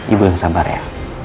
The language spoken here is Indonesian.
ibu yang sabar ya